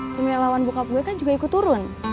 pemilik lawan bokap gua kan juga ikut turun